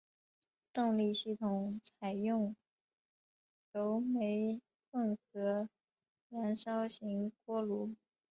动力系统采用油煤混合燃烧型锅炉。